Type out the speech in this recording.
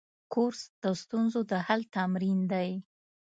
کورس د ستونزو د حل تمرین دی.